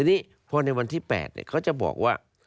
ทีนี้พอในวันที่๘เขาจะบอกว่า